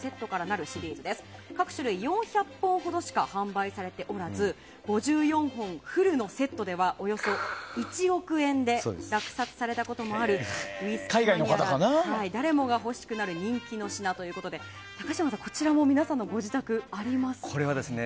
各シリーズ４００本ほどしか販売されておらず５４本フルセットではおよそ１億円で落札されたこともあるウイスキーマニアなら誰もが欲しくなる人気の品ということで高嶋さん、こちらも皆さんのご自宅にありますかね。